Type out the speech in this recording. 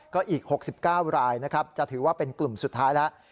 ก็อีก๖๙รายนะครับจะถือว่าเป็นกลุ่มสุดท้ายแล้ว